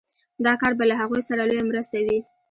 دا کار به له هغوی سره لويه مرسته وي